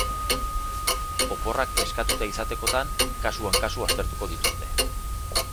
Oporrak eskatuta izatekotan, kasuan kasu aztertuko dituzte.